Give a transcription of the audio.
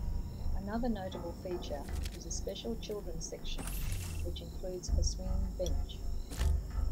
Another notable feature is a special children's section, which includes a swinging bench.